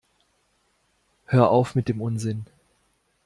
Hör auf mit dem Unsinn!